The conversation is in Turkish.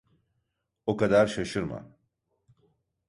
O kadar şaşırma.